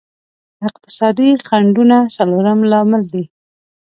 اقتصادي خنډونه څلورم لامل دی.